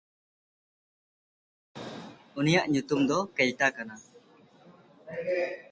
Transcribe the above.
ᱩᱱᱤᱭᱟᱜ ᱧᱩᱛᱩᱢ ᱫᱚ ᱠᱮᱭᱴᱟ ᱠᱟᱱᱟ᱾